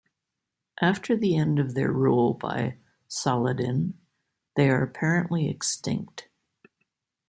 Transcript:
After the end of their rule by Saladin they are apparently extinct.